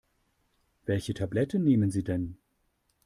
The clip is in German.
Welche Tabletten nehmen Sie denn?